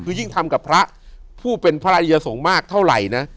คือยิ่งทำกับพระผู้เป็นพระอริยสงฆ์มากเท่าไหร่นะ